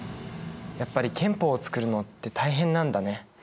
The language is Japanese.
やっぱり憲法を作るのって大変なんだね。